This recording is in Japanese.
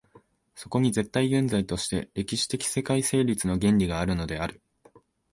そこに絶対現在として歴史的世界成立の原理があるのである。